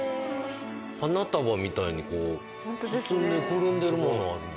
花束みたいにこう包んでくるんでるものある。